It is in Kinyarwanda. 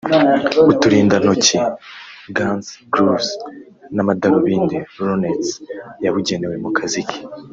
uturindantoki (gants/gloves) n’amadarubindi (Lunettes) yabugenewe mu kazi ke